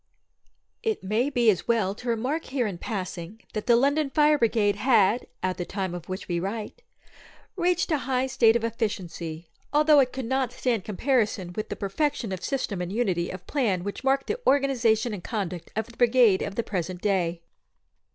It may be as well to remark here in passing, that the London Fire Brigade had, at the time of which we write, reached a high state of efficiency, although it could not stand comparison with the perfection of system and unity of plan which mark the organisation and conduct of the Brigade of the present day.